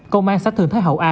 công an xã thường thái hậu a